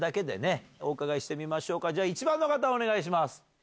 １番の方お願いします。